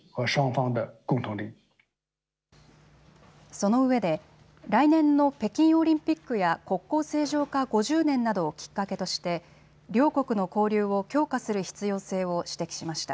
そのうえで来年の北京オリンピックや国交正常化５０年などをきっかけとして両国の交流を強化する必要性を指摘しました。